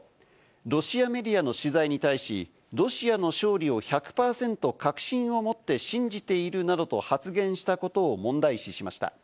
ロシアメディアの取材に対し、ロシアの勝利を１００％確信をもって信じているなどと発言したことを問題視しました。